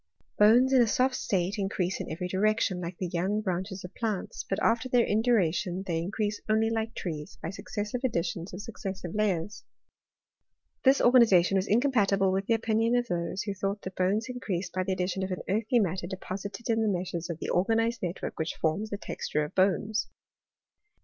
Bones in a soft state increase in every direction, like the young branches of plants ; but after their induration they in crease only like trees, by successive additions of suc cessive layers. This organization was incompatible with the opinion of those who thought that bones in creased by the addition of an earthy matter deposited in the meshes of the organized network which forms the texture of bones.